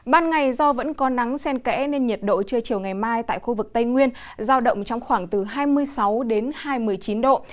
ban ngày do vẫn có nắng sen kẽ nên nhiệt độ trưa chiều ngày mai tại khu vực tây nguyên giao động trong khoảng từ hai mươi sáu đến hai mươi chín độ